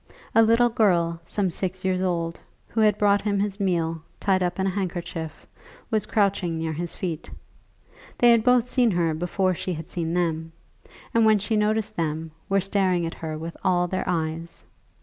A little girl, some six years old, who had brought him his meal tied up in a handkerchief, was crouching near his feet. They had both seen her before she had seen them, and when she noticed them, were staring at her with all their eyes.